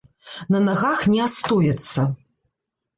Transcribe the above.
На нагах ні астояцца.